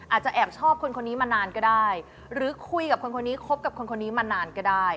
อาจจะแอบชอบคนคนนี้มานานก็ได้หรือคุยกับคนคนนี้คบกับคนคนนี้มานานก็ได้